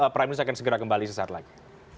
prime news akan segera kembali sesaat lagi